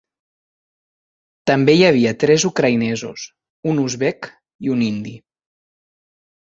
També hi havia tres ucraïnesos, un uzbek i un indi.